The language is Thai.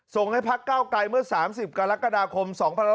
ส่งให้พักเก้าไกลเมื่อ๓๐กรกฎาคม๒๕๖๒